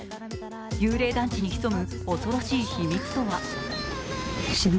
幽霊団地に潜む、恐ろしい秘密とは？